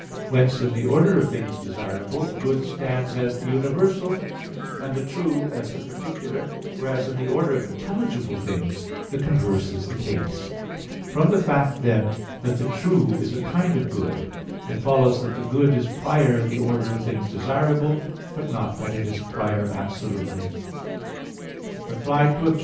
Whence in the order of things desirable, good stands as the universal, and the true as the particular; whereas in the order of intelligible things the converse is the case. From the fact, then, that the true is a kind of good, it follows that the good is prior in the order of things desirable; but not that it is prior absolutely. Reply Obj.